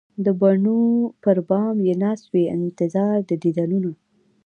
د بڼو پر بام یې ناست وي انتظار د دیدنونه